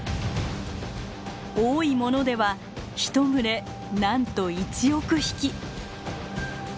多いものではひと群れなんと１億匹。